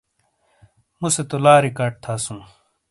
موسے تو لا ریکارڈ تھاسوں۔